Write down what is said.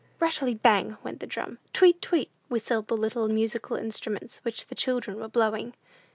"Rattlety bang!" went the drum. "Tweet, tweet," whistled the little musical instruments which the children were blowing.